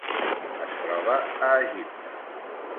Es troba a Egipte.